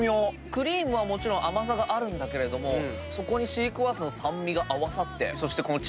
クリームはもちろん甘さがあるんだけどもそこにシークワーサーの酸味が合わさってそしてこの。